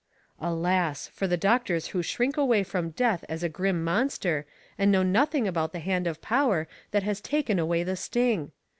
Alas I for the doctors who shrink away from death as a grim monster, and know nothing about the Hand of Power that has taken away the sting.